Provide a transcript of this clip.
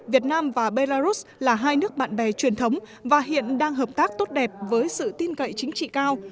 việt nam và belarus là hai nước bạn bè truyền thống và hiện đang hợp tác tốt đẹp với sự tin cậy chính trị cao